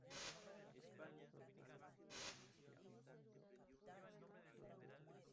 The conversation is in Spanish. La banda tenía una orientación hacia el Jazz fusión.